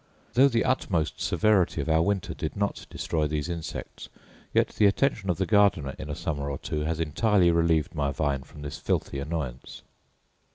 Though the utmost severity of our winter did not destroy these insects, yet the attention of the gardener in a summer or two has entirely relieved my vine from this filthy annoyance.